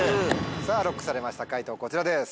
さぁＬＯＣＫされました解答こちらです。